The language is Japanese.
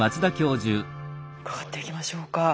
伺っていきましょうか。